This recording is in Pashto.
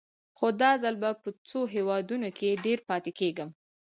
خو دا ځل به په څو هېوادونو کې ډېر پاتې کېږم.